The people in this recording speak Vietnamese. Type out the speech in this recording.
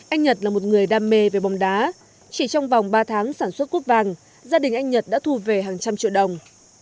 anh nhật là một người đam mê về bóng đá chỉ trong vòng ba tháng sản xuất cút vàng gia đình anh nhật đã thu về hàng trăm triệu đồng